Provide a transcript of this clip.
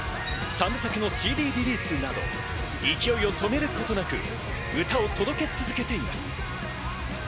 ３作のＣＤリリースなど勢いを止めることなく、歌を届け続けています。